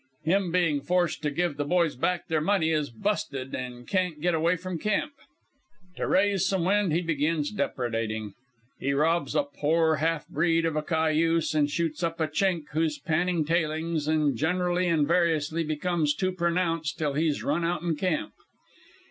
Him being forced to give the boys back their money is busted an' can't get away from camp. To raise some wind he begins depredating. "He robs a pore half breed of a cayuse, and shoots up a Chink who's panning tailings, and generally and variously becomes too pronounced, till he's run outen camp.